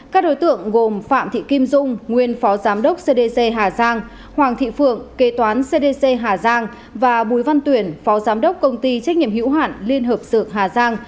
các đối tượng gồm phạm thị kim dung nguyên phó giám đốc cdc hà giang hoàng thị phượng kế toán cdc hà giang và bùi văn tuyển phó giám đốc công ty trách nhiệm hữu hạn liên hợp dược hà giang